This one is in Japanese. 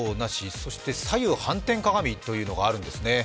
そして左右反転鏡というのがあるんですね。